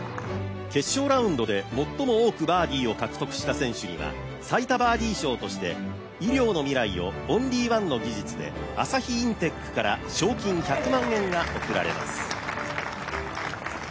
決勝ラウンドで最も多くバーディーを獲得した選手には最多バーディ賞として医療の未来をオンリーワンの技術で朝日インテックから賞金１００万円が贈られます。